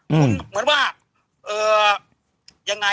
เหมือนว่าอย่างไร